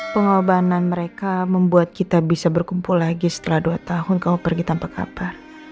pengorbanan mereka membuat kita bisa berkumpul lagi setelah dua tahun kamu pergi tanpa kapar